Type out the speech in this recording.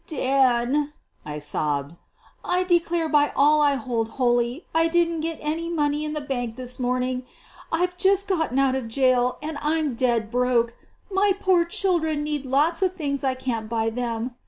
I "Dan," I sobbed, "I declare by all I hold holy I didn't get any money in the bank this morning. IVe just gotten out of jail and I'm dead broke. My poor children need lots of things I can't buy them.